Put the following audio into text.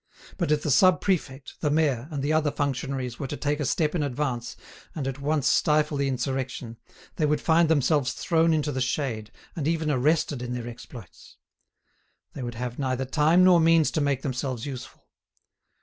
But if the sub prefect, the mayor, and the other functionaries were to take a step in advance and at once stifle the insurrection they would find themselves thrown into the shade, and even arrested in their exploits; they would have neither time nor means to make themselves useful.